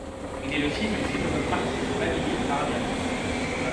Il est le fils du philosophe marxiste Vladimir Sarabianov.